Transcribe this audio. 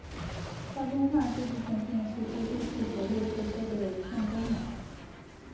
画中画是部分电视接收器和类似设备的一项功能。